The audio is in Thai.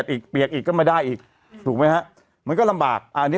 บอกพี่ไม่ไปนะแบบนี้